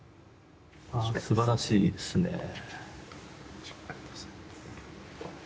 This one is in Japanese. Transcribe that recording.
あすばらしいですね。